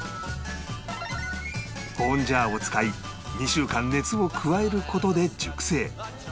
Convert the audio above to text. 保温ジャーを使い２週間熱を加える事で熟成